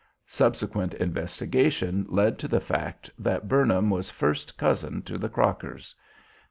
Subsequent investigations led to the fact that Burnham was first cousin to the Crockers.